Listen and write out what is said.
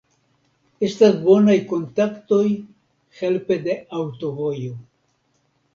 Estas bonaj kontaktoj helpe de aŭtovojo.